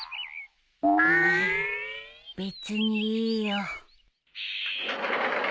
別にいいよ。